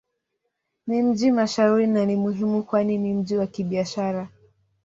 Ni mji mashuhuri na ni muhimu kwani ni mji wa Kibiashara.